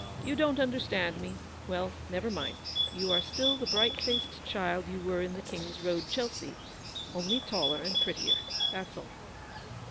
You don't understand me — well, never mind, you are still the bright faced child you were in the King's Road, Chelsea, only taller and prettier — that's all."